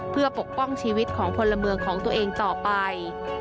เพื่อปกป้องชีวิตของพลเมืองของตัวเองต่อไป